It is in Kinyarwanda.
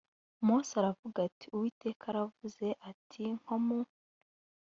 mose aravuga ati uwiteka aravuze ati nko mu